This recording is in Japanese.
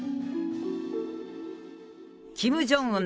キム・ジョンウン